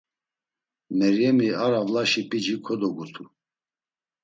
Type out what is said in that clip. Meryemi, ar avlaşi p̌ici kodogutu.